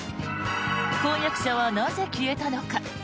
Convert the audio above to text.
婚約者はなぜ消えたのか。